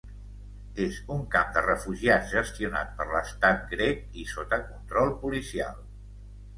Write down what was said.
És un camp de refugiats gestionat per l’estat grec i sota control policial.